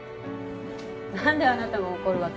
何であなたが怒るわけ？